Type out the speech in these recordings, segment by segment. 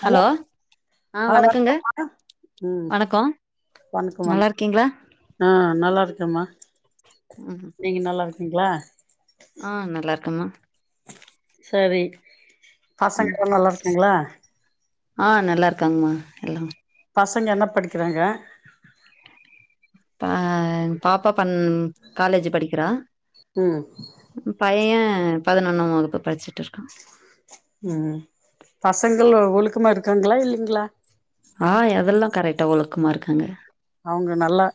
Hello ஆ வணக்கங்க ம் வணக்கோ வணக்கம் வணக்கம் நல்லாருக்கீங்ளா ஆ நல்லாருக்கேம்மா ம் நீங்க நல்லாருக்கீங்ளா ஆ நல்லாருக்கம்மா சரி ம் பசங்கல்லா நல்லா இருக்காங்களா ஆ நல்லா இருக்காங்மா எல்லா பசங்க என்ன படிக்கறாங்க இப்பா எ பாப்பா பண் காலேஜு படிக்கிறா ம் பையன் பதினொன்னாம் வகுப்பு படிச்சுட்ருக்கா ம் பசங்கள் ஒழுக்கமாக இருக்காங்ளா இல்லிங்களா ஆ அதெல்லா கரெக்ட்டா ஒழுக்கமா இருக்காங்க அவுங்க நல்லா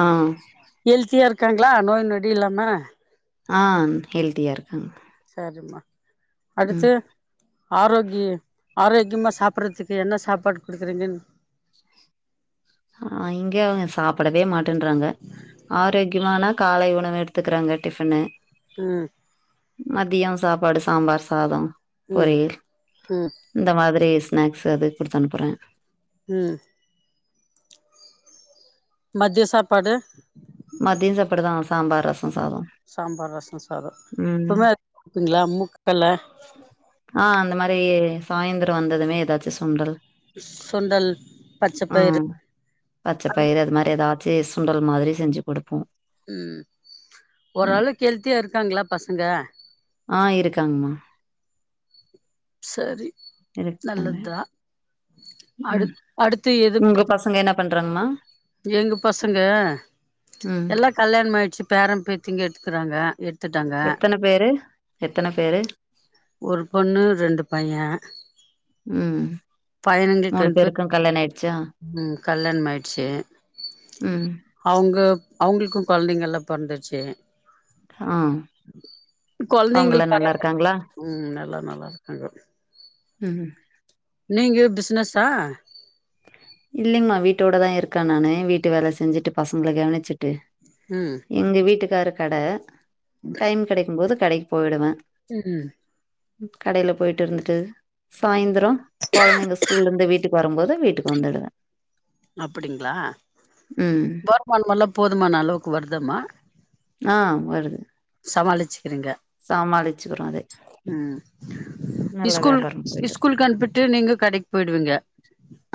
ஆ ஹெல்த்தியா இருக்காங்களா நோய் நொடி இல்லாம ஆ ஹெல்த்தியா இருக்காங்க சேரிம்மா ம் அடுத்து ஆரோக்கி ஆரோக்கிம்மா சாப்பறத்துக்கு என்ன சாப்பாடா குடுக்றீங்கின் இங்க அவங்க சாப்டவே மாட்டேன்றாங்க ஆரோக்கியமான காலை உணவு எடுத்துக்கிறங்க டிஃபனு ம் மதியோ சாப்பாடு சாம்பார் சாதோ ம் பொரியல் ம் இந்த மாதிரி ஸ்நாக்ஸ் அது குடுத் அன்ப்புறே ம் மத்திய சாப்பாடு மதிய சாப்பாடு தா சாம்பார் ரச சாத சாம்பார் ரச சாத எப்பமே வப்பீங்ளா மூக்கல்ல ஆ அந்த மாரி சாயந்தர வந்ததுமே எதாச்சு சுண்டல் சுண்டல் பச்சப்பயிறு பச்சபயறு அது மாரி எதாச்சு சுண்டல் மாதிரி செஞ்சு குடுப்போ ம் ஓரளவுக்கெல்த்தியா இருக்காங்ளா பசங்க ஆ இருக்காங்மா சரி இருக்காங்க. நல்லதுதா அடு அடுத்து எதபத்தி பண்றங்மா எங்க பசங்க ம். எல்லா கல்யாணம்மாயிட்ச்சி பேரன் பேத்திங்க எடுத்துக்கிறாங்க எ எத்தன பேரு எத்தன பேரு ஒரு பொண்ணு ரெண்டு பைய ம். பையனெங்கு ட்ரென்ப்பு பேருக்கும் கல்யாணம் ஆயிடுச்சா? ம் கல்யாண ஆயிடுச்சு ம். அவ்ங்க அவ்ங்குளுக்கு கொழந்தைங்கல்லா பொறந்திர்ச்சே ம் அவங்களா கொழந்தைங்கள் பரம் நல்லாருக்காங்களா ம் நல்லா நல்லார்க்காங்க ம்ம் நீங்க பிசினஸா இல்லிங்மா வீட்டோட தா இருக்க நானு வீட்டு வேல செஞ்சுட்டு பசங்ள கவனிச்சுட்டு ம் எங்க வீட்டுக்காரு கட [unintelligible] டைம் கடைக்கும்போது கடைக் போய்டுவே ம் கடைய்ல போய்ட்டு இருந்துட்டு சாய்ந்த்ரோ குழந்தைங்க ஸ்கூலா இருந்து வீட்டுக்கு வரும் போது வீட்டு வந்துடுவ அப்டிங்களா ம் வருமானமெல்லா போதுமான அளவுக்கு வருதாமா ஆ வருது சமாளிச் க்றீங்க சமாளிச்சுக்குறோ அது ம் நல்ல ஸ்கூல் வியாபாரம் போயிட்டு இருக்கு ஸ்கூல்க்கு அனுப்பிட்டு நீங்க கடைக்கு போயிடுவீங்க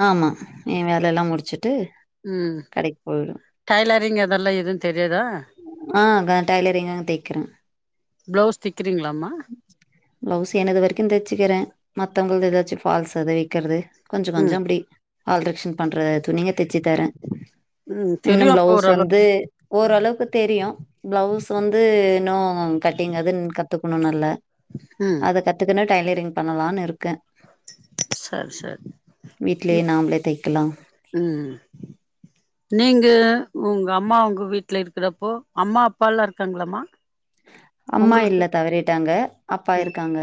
ஆமா என் வேலல்லா முடிச்சுட்டு ம் கடைக்கு போயிடுவே டைலரிங் அதெல்லா எது தெரியாதா ஆ தெக்கிற ப்ளவ்ஸ் தெக்கிறீங்ளாமா ப்ளவ்ஸ் எனது வர்க்கின் தச்சுக்கிறே மத்தவங்கள்து ஏதாச்சு ஃபால்ஸ் அதை வக்கிற்து ஞ்சு கொஞ்சோ ம் அப்டி ஆல்ட்ரக்ஷன் பண்ற துணிங்க தெச்சி தரே ம் இன்னு தெரியு அப்போ பிளவுஸ் வந்து ஓரளவுக்கு ஓரளவுக்கு தெரியு ப்ளவ்ஸ் வந்து இன்னு கட்டிங் அதின் கத்துக்ணு நல்ல ம் கத்துக்குன்னு டைலரிங் பண்ணலானு இருக்கே சரி சரி வீட்லே நாம்ளே தைக்லா ம் நீங்க உங்க அம்மா உங்க வீட்ல இருக்கிறப்போ அம்மா அப்பாலா இருக்காங்ளாமா அம்மா இல்ல தவறிட்டாங்க அப்பா இருக்காங்க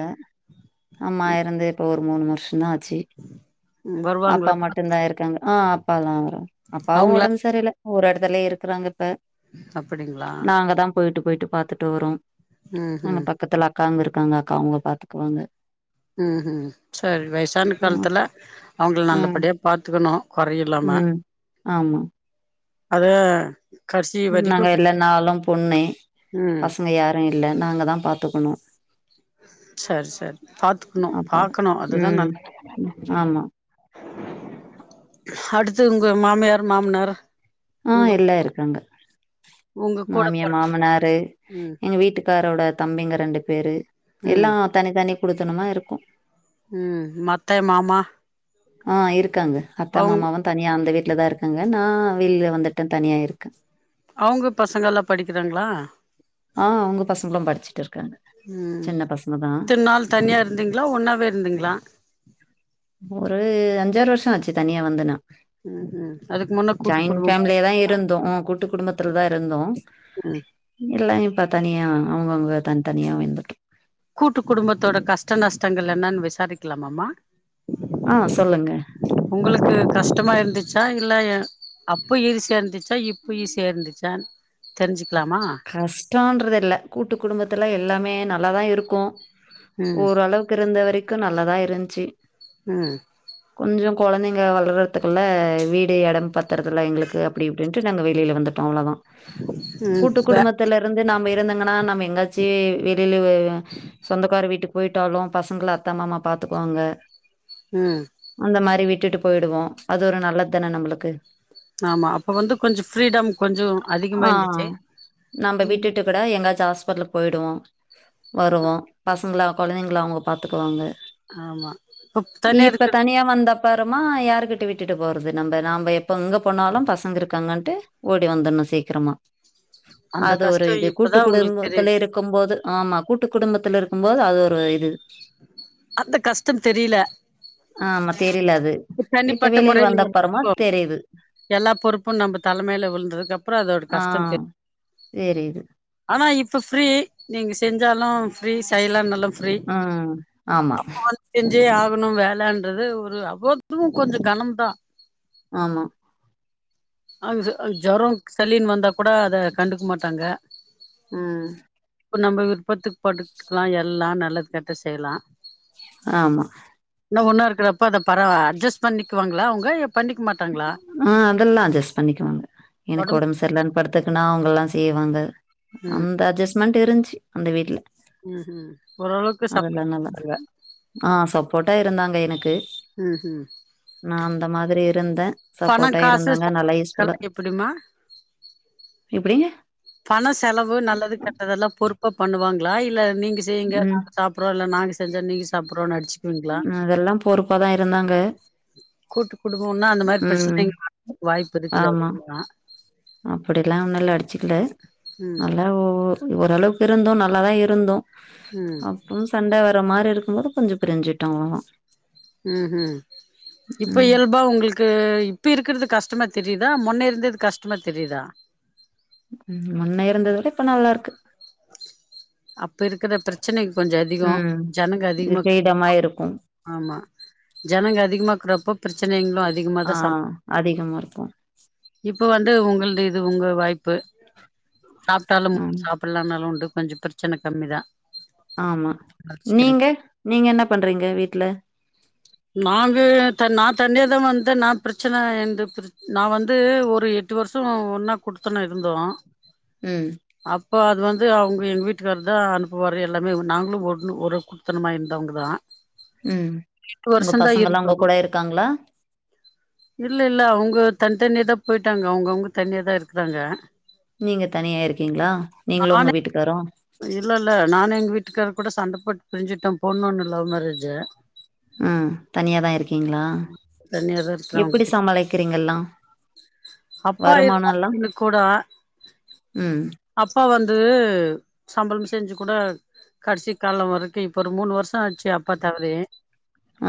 அம்மா எறந்து இப்ப ஒரு மூணு வர்ஷந்தா ஆச்சு ம் அப்பா வருவாங்களா மட்டுந்தா இருக்காங்க ஆ அப் அப்பாலா வரு அப்பாவு அவங்களா ஒடம்பு செரியில்ல ஒரெடத்துலே இருக்குறாங்க இப்ப அப்படிங்களா நாங்க தா போயிட்டு போயிட்டு பாத்துட்டு வரோ ம் அங்க ம் பக்கத்துல அக்காங்க இருக்காங்க அக்காவ்ங்க பாத்துக்குவாங்க ம் ம் சேரி வயசான ம் காலத்துல அவ்ங்கள ம் நல்லபடியா பாத்துக்கணு கொறையில்லாம ம் ஆமாம் அதே கடசி நாங்க எல்லா நாளு பொண்ணு ம் பசங்க யாரு இல்ல நாங்க தா பாத்துக்கணு சரி சரி பாத்துக்கணு பாக்கணு அதுதா நல்ல ஆமா அடுத்து உங்க மாமியாரு மாமனாரு ஆ எல்லா இருக்காங்க உங்க கூட மாமியா பொறந்த மாமனாரு ம் எங்க வீட்டுக் க்காரோட தம்பிங்க ரெண்டு பேரு எல்லா ம் தனி தனி குடுத்தனமா இருக்கோ ம் மத்தை மாமா ஆ இருக்காங்க அத்த அவுங் மாமா வந் தனியா அந்த வீட்ல தா இருக்காங்க நா வெளிய வந்துட்டே தனியா இருக்கே அவ்ங்க பசங்களா படிக்கிறாங்ளா ஆ அவ்ங்க பசங்களு படிச்சிட்ருக்குறாங்க ம் இத்தன் நாள் தனியா இருந்தீங்ளா ஒன்னாவே இருந்தீங்ளா ஒரு அஞ்சாறு வர்ஷோ ஆச்சு தனியா வந்து நா ம் ம் அதுக்கு முன்ன கூட்டு ஜாய்ன் குடும்பமா ஃபேமிலியா தா இருந்தீங்களா இருந்தோ கூட்டு குடும்பத்துல தா இருந்தோ ம் எல்லா இப்ப தனியா அவுங்கவுங்க தன்த்தனியா வந்துட்டோ கூட்டுக் குடும்பத்தோட கஷ்ட நஷ்டங்கள் என்னன் விசாரிக்கலாமாமா ஆ சொல்லுங்க உங்களுக்கு கஷ்டமா இர்ந்துச்சா இல்லயா அப்ப ஈஸியா இர்ந்துச்சா இப்ப ஈஸியா இர்ந்துச்சா தெரிஞ்சிக்லாமா கஷ்டோன்றது இல்ல கூட்டு குடும்பத்துல எல்லாமே நல்லாதா இருக்கு ம் ஓரளவுக்கு இருந்த வரைக்கு நல்லதா இருந்ச்சு ம் கொஞ்சோ கொழந்தைங்க வளர்றதுக்குல்லா வீடு எடம் பத்தறதுல்ல எங்ளுக்கு அப்டி இப்டின்ட்டு நாங்க வெளில வந்துட்டோ அவ்ளோதா ம் கூட்டு வே குடும்பத்துலருந்து நம்ம இருந்தங்கன்னா நம்ம எங்காச்சி வெளில அ சொந்தக்கார வீட்டுக் போய்ட்டாலு பசங்கள அத்த மாமா பாத்துக்குவாங்க ம் அந்த மாரி விட்டுட்டு போய்டுவோ அது ஒரு நல்லத் தான நம்மளுக்கு ஆமா அப்ப வந்து கொஞ்ச ஃப்ரீடம் கொஞ்சோ அதிகமா ஆ இர்ந்துச்சு நம்ப விட்டுட்டுக்கூட எங்காச்சு ஹாஸ்பிட்லு போய்டுவோ வருவோ பசங்களா கொழந்தைங்கள அவுங்க பாத்துக்குவாங்க ஆமா இப்ப தனியா இப்ப இருக்கு தனியா வந்தப் பறமா யாருக்கிட்ட விட்டுட்டு போறது நம்ப நாம்ப எப்ப எங்க போனாலு பசங்க இருக்காங்கன்ட்டு ஓடி வந்தர்ணு சீக்கிரமா அந்த அது ஒரு கஷ்டோ இது கூட்டு இப்பதா உங்களுக்கு குடும்பத்துல தெரியுது இருக் கும் போது ஆமா கூட்டு குடும்பத்துல இருக்கும்போது அது ஒரு இது அத்த கஷ்டந் தெரில ஆமா தெரில அது இப்ப வெளில முறையில வந்தப்பறமா இருக்கோ தெரிது எல்லா பொறுப்பு நம்ப தலமேல விழுந்ததுக்கப்றோ அதோட கஷ்டோ தெர் தெரிது ஆனா இப்ப ஃப்ரீ நீங்க செஞ்சாலு ஃப்ரீ செய்யலனாலு ஃ ஆ ஆமா செஞ்சே ஆகணு வேலன்றது ஒரு அவத்தும் கொஞ்சோ கனம் தா ஆமா அங்கு அங் ஜொரோ சளின்னு வந்தா கூட அத கண்டுக் மாட்டாங்க ம் இப்ப நம்ம விருப்பத்துக் படுக்கலா எல்லா நல்லது கெட்டது செய்லா ஆமா இன்னோ ஒன்னா இருக்கிறப்போ அந்த பரவ அட்ஜஸ்ட் பண்ணிக்குவாங்ளா அவுங்க இல்ல பண்ணிக்மாட்டாங்ளா ஆ அதெல்லா அட்ஜஸ்ட் பண்ணிக்வாங்க எனக்கு ஒடம்பு ஒடம் சர்லன் படுத்துக்குனா அவங்க எல்லா செய்வாங்க ம் அந்த அட்ஜெஸ்மெண்ட் இருந்ச்சு அந்த வீட்ல ம் ம் ஓரளவுக்கு அதெல்லா நல்லா சாப்டுவாங்க ஆ சப்போட்டா இருந்தாங்க எனக்கு ம் ம் நா அந்த மாதிரி இருந்த பணோ சப்போட்டா காசு இருந்தாங்க நல்லா எல்லா லைஸ்குல்லு எப்டிமா எப்டி பண செலவு நல்லது கெட்டதெல்லா பொறுப்பா பண்ணுவாங்ளா இல்ல நீங்க செய்ங்க ம். நாங்க சாப் பரவால்ல நாங்க செஞ்சா நீங்க சாப்ட்றோனாய்ச்சு அதெல்லா பொறுப்பாதா இருந்தாங்க கூட்டு குடும்போனா அந்த மாரி ம். பிரச்சனகள் வர வாய்ப்பு இருக்குது அதிகமா அப்டிலா ஒன்னுல்ல அடிச்சிக்கல ம் நல்லா ஓ ஓரளவுக்கு இருந்தோ நல்லாதா இருந்தோ ம் அப்றம் சண்ட வர மாரிருக்குபோது கொஞ்சோ பிரிஞ்சுட்டோ ம் ஹும் இப்ப இயல்பா உங்ளுக் கு இப்ப இருக்கிறது கஷ்டமா தெரிதா முன்ன இருந்தது கஷ்டமா தெரிதா முன்ன இருந்தத விட இப்ப நல்லாருக்கு அப்ப இருக்கற பிரச்சனைள் கொஞ்சோ அதிகோ ம். ஜனங்க இது அதிகமா ஃப்ரீடமா இருக்கும். ஆமா ஜனங்க அதிகமா இர்க்ரப்போ பிரச்சனங்ளு அதிகமா தா சம் அதிகமாருக்கு இப்ப வந்து உங்ளுது இது உங்க வாய்ப்பு சாப்பிட்டாலும் ம். சாப் பில்லானாலு உண்டு கொஞ்சோ ப்ரெச்சன கம்மி தா ஆமா வச்சுக்கிறே நீங்க நீங்க என்ன பண்றீங்க வீட்ல நாங்க த நா தண்ணியா தா வந்த நா ப்ரெச்சன எந்த ப்ரெச் நா வந்து ஒரு எட்டு வருஷோ ஒன்னா குடுத்தனோ இருந்தோ ம் அப்ப அது வந்து அவுங்க எங்க வீட்டுக்காரர் தா அனுப்புவாரு எல்லாமே நாங்ளு ஒண்ணு ஒரு மெத்தனமா இருந்தவங்க தா ம் எட்டு உங்க வருஷோ தா பசங்கெல்லா இருந்தோ உங்க கூட இருக்காங்களா இல்ல இல்ல அவுங்க தன் தனியா தா போய்ட்டாங்க அவுங்கவுங்க தனியா தா இருக்கறாங்க நீங்க தனியா இருக்கீங்ளா நீங்ளு உங்க நானே வீட்டுக்காரு இல்ல இல்ல நானு எங்க வீட்டுக்காரர் கூட சண்ட போட்டு பிரிஞ்சுட்டுதா போனோனு லவ் மேரேஜு அ தனியாதா இருக்கீங்ளா தனியா தா இருக்குறோ அவங்க எப்டி கிட்ட சமாளிக்கிறீங்கெல்லா அப்பா இருந்தாரு [inaudible] கூட ம் அப்பா வந்து சம்பளம் செஞ்சு கூட கடைசி காலோ வரைக்கு இப்ப ஒரு மூணு வருஷோ ஆச்சு அப்பா தவறி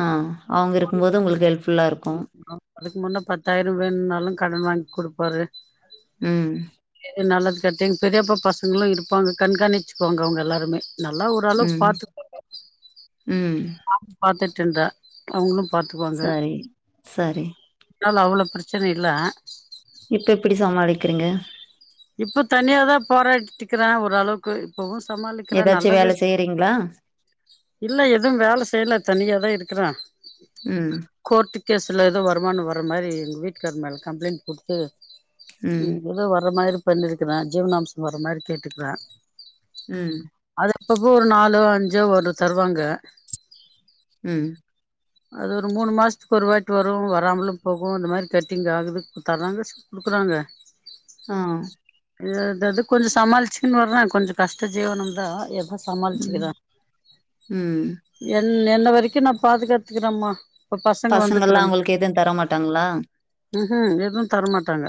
ஆ அவுங்க இருக்கும்போது உங்களுக்கு ஹெல்ப்ஃபுல்லாருக்கு அதுக்கு முன்னா பத்தாயிரு வேன்னாலு கடன் வாங்கி குடுப்பாரு ம் நல்லது கட்டிங்க பெரியப்பா பசங்களும் இருப்பாங்க கண்காணிச்சுக்கோங்க அவங்க எல்லாருமே நல்லா ஒரு அளவுக்கு ம், பாத்துப் ம் பா பாத்துட்டுருந்தா அவுங்களு பாத்துவாங்க சரி, சரி. நல்லா அவ்ளோ பிரச்சன இல்ல இப்ப எப்டி சமாளிக்கிறிங்க இப்ப தனியாதா போராடிட்டு இருக்கற ஓரளவுக்கு இப்பவு சமாளிக்கிறே நல்லதே டிங்லா இல்ல எதுவு வேல செய்யல தனியாதா இருக்கிற ம் கோர்ட் கேசு ஏதோ வருமானம் வற மாரி எங்க வீட்டுக்கார் மேல கம்ப்ளைண்ட் குடுத்து ம், ஏதோ வர் மாரி பண்ணிருக்கிற ஜீவனாம்சம் வர மாரி கேட்டுக்கிற ம் அது எப்பப்போ ஒரு நாலோ அஞ்சோ ஒரு தருவாங்க ம் அது ஒரு மூணு மாசத்துக்கு ஒருவாட்டு வரு வராமலு போகு இந்த மாதிரி கட்டிங் ஆகுது தர்ராங்க குடுக்குறாங்க ஆ ஏதேதோ கொஞ்சோஓ சமாளிச்சுக்குன்னு வர கொஞ்சம் கஷ்ட ஜீவனம் தா எப்போ ம், சமாளிச்சுக்கிறே ம் என் என்ன வரைக்கு நா பாதுகாத்துக்கிறமா பசங்கள்லா உங்ளுக்கு எதுவு தரமாட்டாங்ளா ஹ ஹ எதுவு தரமாட்டாங்க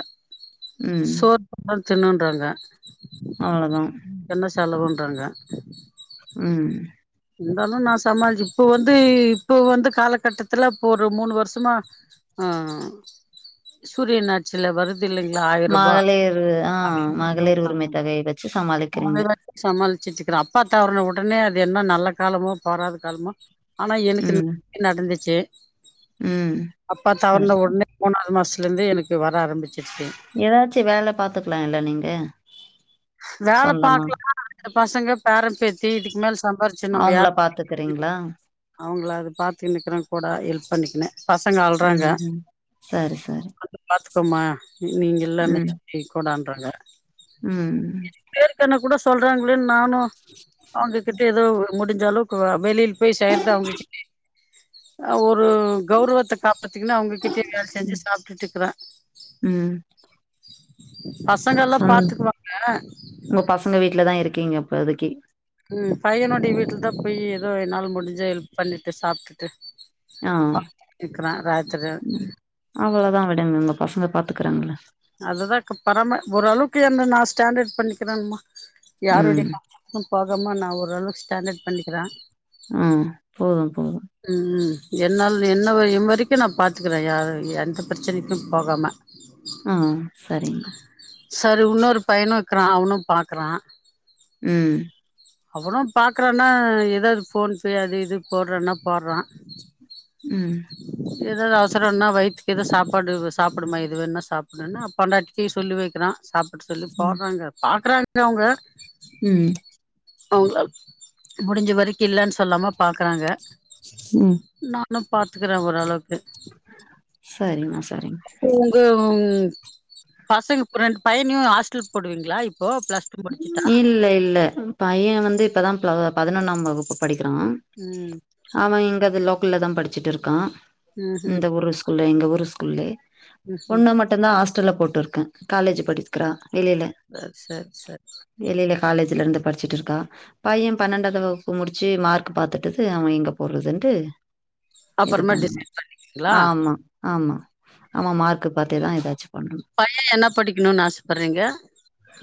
ம். சோறு போட்ற தின்னுன்றாங்க அவ்வளதா என்ன செலவுன்றாங்க ம் இருந்தாலு நா சமாள்ச்சி இப்ப வந்து இப்ப வந்து காலகட்டத்துல இப்ப ஒரு மூனு வருஷமா ஆ சூரியன் ஆட்சியில வருது இல்லைங்களா ஆயிர் ரூபா மகளிர் ஆ மகளிர் உரிமை தொகைய வச்சு சமாளிக்கிறீங்க. [unintelligible] சமாளிச்சிட்டு இருக்கிறேன் அப்பா தவறன உடனே அது என்ன நல்ல காலமோ போறாத காலமோ ஆனா எனக்கு ந ம், நடந்துச்சி ம். அப்பா சரி, தவறன சரி. உட்னே மூணாவது மாஸ்த்துலருந்தே எனக்கு வர ஆரம்பிச்சிடுச்சி ஏதாச்சி வேல பாத்துக்கலாம் இல்ல நீங்க வேல சொந்தமா. பாக்கலன்னா அந்த பசங்க பேரம்பேத்தி இதுக்கு மேல சம்பாதிச்சு நம்ம அவங்கள யார [inaudible] பார்த்துக்கிறீங்களா? அவங்கள அது பாத்துக்குனு இக்கிக கூட ஹெல்ப் பண்ணிக்கினு பசங்க ஆழ்றாங்க ம்ஹும் சரி சரி பாத்துக்கோமா நீங்க இங்க இல்லாம ம். எ கூடாவான்றாங்க ம் பேருக்கானா கூட சொல்றாங்களேன்னு நானு அவங்ககிட்ட ஏதோ முடிஞ்ச அளவுக்கு வெளியில் பொய்செய்றது அவங்கிட்டயே அ ஒரு கௌரவத்த காப்பாத்திக்கின்னு அவங்ககிட்டயே வேல செஞ்சு சாப்ட்டுட்டு இருக்கறே ம். பசங்கலா சம் பாத்துக்குவாங்க உங்க பசங்க வீட்டுலதா இருக்கீங்க இப்போதைக்கி ம் பையனுடைய வீட்டுல தா போய் ஏதோ என்னால முடிஞ்ச ஹெல்ப் பண்ணிட்டு சாப்ட்டுட்டு ஆ. பாத்துட்டு இருக்குற ராத்திரி அவளதா விடுங்க உங்க பசங்க பாத்துக்குறாங்கள அதுதா க பரம ஓரளவுக்கு என்ன நா ஸ்டாண்டட் பண்ணிக்கிறேமா யாருடைய ம். [unintelligible] போகாம நா ஓரளவு ஸ்டாண்டட் பண்ணிக்கிறே அ போது போது ம் என்னால் என்னவ என் வரைக்கு நா பாத்துக்குறே யார எந்த ப்ரெச்சனிக்கு போகாம ஆ சரிங்க சரு உன்னோரு பையனு இக்குறா அவனு பாக்குறா ம் அவனு பாக்குறான்னா எதாவ்து ஃபோன் பே அது இது போட்றானா போட்றா ம் எதாது அவசரோன்ன வயித்துக்கு எது சாப்பாடு சாப்புடுமா எதுவேன்னா சாப் அப்டின்னா பொண்டாட்டிக்கி சொல்லி வெக்கிறா சாப்பிட சொல்லி ம். போட்றாங்க பாக்குறாங்க அவுங்க ம் அவங்ளால் முடிஞ்ச வரக்கி இல்லன் சொல்லாம பாக்குறாங்க ம் ண்ணு பாத்துக்குறா ஓரளவுக் சரிமா சரிமா ம் பசங்க ரெண்டு பையனியு ஹாஸ்டல் போடுவீங்ளா இப்போ பிளஸ் டூ முடிச்சுட்டா இல்ல இல்ல பைய வந்து இப்பதா ப பதினொன்னாம் வகுப்பு படிக்கிறா ம் அவ இங்கது லோக்கல்லதா படிச்சுட்டுருக்கா ம் ம் இந்த ஊரு ஸ்கூல்ல எங்க ஊரு ஸ்கூல்லயே ம் ம் பொண்ணு மட்டுந்தா ஆஸ்டல்ல போட்டுருக்கே காலேஜு படிக்றா வெளில அ சேர் சேர் வெளில காலேஜ்லருந்து படிச்சுட்டுருக்கா பையே பன்னெண்டாது வகுப்பு முடிச்சு மார்க் பாத்துட்டுது அவே எங்க போட்றதுன்ட்டு இது அப்புறமா பண்ணனு டிசைட் பண்ணிக்கிறீங்களா ஆமா ஆமா ஆமா மார்க்கு பாத்துதா எதாச்சு பண்ணனு பைய என்ன படிக்கணுன் ஆசப்பட்றீங்க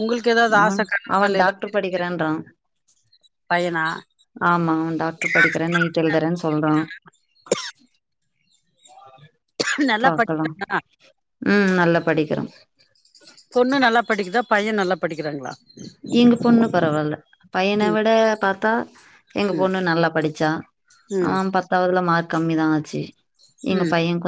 உங்களுக்கு எதாவ்து அவ ஆச அவ கனவுகள் எதாவ்து டாக்டர் இருக்குல்ல நீங்க படிக்கிறேன்றா [inaudible] பையனா ஆமா அவ டாக்டர் படிக்கிறே நீட் எழுதுறேன் சொல்றா நல்லா பாக்கலா படிக்கிறானா ம் நல்லா படிக்கிறா பொண்ணு நல்லா படிக்குதா பைய நல்லா படிக்கிறாங்ளா எங்க பொண்ணு பரவால்ல பையன ம் விட பாத்தா எங்க ம் பொண்ணு நல்லா படிச்சா ம் த்தாவதுல மார்க் கம்மிதா ஆச்சி எங்க ம் பையங்